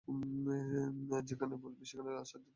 যেখানে বলবি সেখানেই সাজ্জাদ থাকবে।